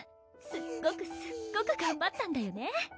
すっごくすっごくがんばったんだよね？